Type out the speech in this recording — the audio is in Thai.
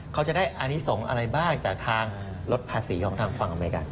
เขาจะได้อันนี้ส่งอะไรบ้างจากทางลดภาษีของทางฝั่งอเมริกัน